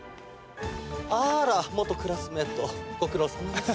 あら元クラスメート、ご苦労様です。